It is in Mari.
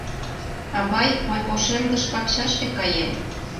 — Авай, мый ошемдыш пакчашке каем!